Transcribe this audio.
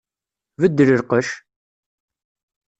Beddel lqecc!